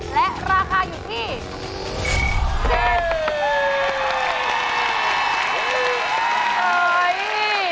และราคาอยู่ที่